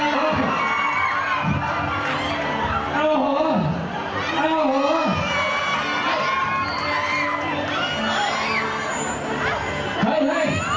ราวนี้ต้องอาย